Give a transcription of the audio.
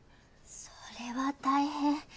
それは大変。